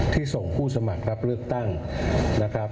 ส่งผู้สมัครรับเลือกตั้งนะครับ